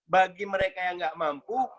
bagi mereka yang nggak mampu